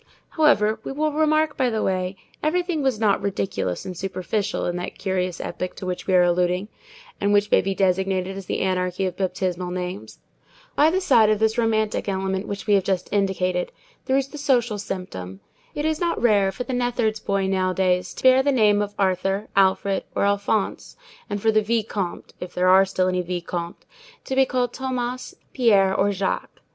However, we will remark by the way, everything was not ridiculous and superficial in that curious epoch to which we are alluding, and which may be designated as the anarchy of baptismal names. By the side of this romantic element which we have just indicated there is the social symptom. It is not rare for the neatherd's boy nowadays to bear the name of Arthur, Alfred, or Alphonse, and for the vicomte—if there are still any vicomtes—to be called Thomas, Pierre, or Jacques.